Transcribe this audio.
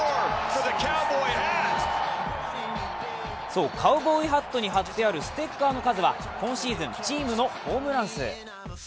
そう、カーボーイハットに貼ってあるステッカーの数は今シーズンチームのホームラン数。